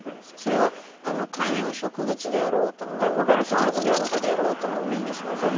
それは観葉植物であろうともハーブなんかであろうともみんなそうなんですか？